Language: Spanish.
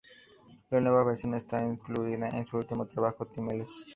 La nueva versión está incluida en su último trabajo Timeless.